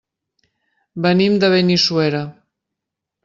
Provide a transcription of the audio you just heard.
Venim de Benissuera.